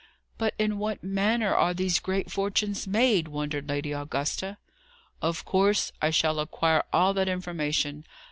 "But in what manner are these great fortunes made?" wondered Lady Augusta. "Of course, I shall acquire all that information.